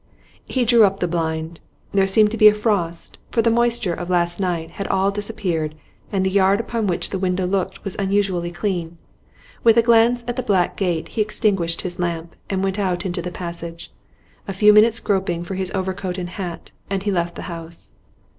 He drew up the blind. There seemed to be a frost, for the moisture of last night had all disappeared, and the yard upon which the window looked was unusually clean. With a glance at the black grate he extinguished his lamp, and went out into the passage. A few minutes' groping for his overcoat and hat, and he left the house.